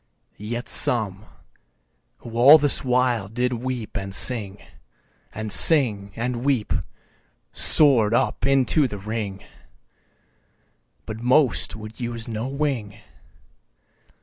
4. Yet some, who all this while did weep and sing, And sing, and weep, soar'd up into the Ring, But most would use no wing.